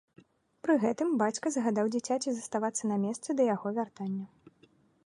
Пры гэтым бацька загадаў дзіцяці заставацца на месцы да яго вяртання.